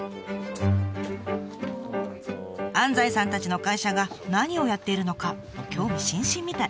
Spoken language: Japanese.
安西さんたちの会社が何をやっているのか興味津々みたい。